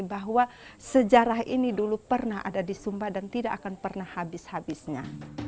bahwa sejarah ini dulu pernah ada di sumba dan tidak akan pernah habis habisnya